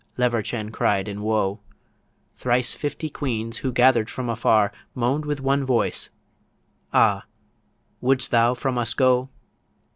Levarchan cried in woe, Thrice fifty queens, who gather'd from afar, Moan'd with one voice, 'Ah, would'st thou from us go?'